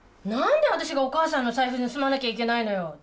何で私がお母さんの財布盗まなきゃいけないのよ？